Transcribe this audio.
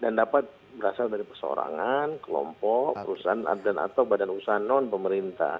dan dapat berasal dari persorangan kelompok perusahaan atau badan usaha non pemerintah